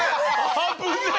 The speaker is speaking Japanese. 危ねえ！